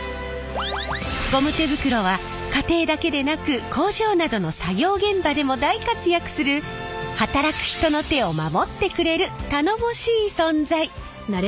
ゴム手袋は家庭だけでなく工場などの作業現場でも大活躍する働く人の手を守ってくれる頼もしい存在。